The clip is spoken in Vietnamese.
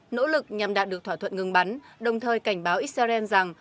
nỗ lực nhằm đạt được thỏa thuận ngừng bắn đồng thời cảnh báo israel rằng